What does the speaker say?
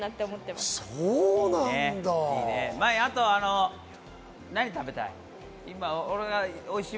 茉愛、あと何食べたい？